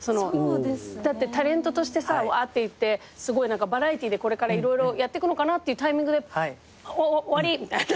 だってタレントとしてさわーっていってすごいバラエティーでこれから色々やってくのかなっていうタイミングで終わり！みたいな。